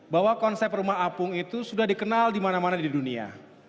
bahwa konsep rumah apung itu sudah dikenal di mana mana di dunia